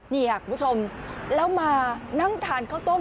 นี่ค่ะคุณผู้ชมแล้วมานั่งทานข้าวต้ม